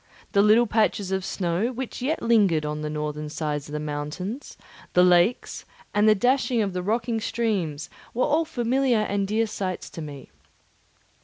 The little patches of snow which yet lingered on the northern sides of the mountains, the lakes, and the dashing of the rocky streams were all familiar and dear sights to me.